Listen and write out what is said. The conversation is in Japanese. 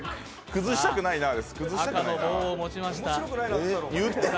崩したくないなあ。